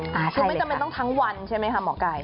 คือไม่จำเป็นต้องทั้งวันใช่ไหมคะหมอไก่